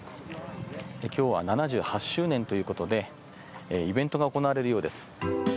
今日は７８周年ということでイベントが行われるようです。